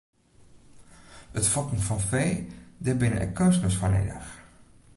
It fokken fan fee, dêr binne ek keunstners foar nedich.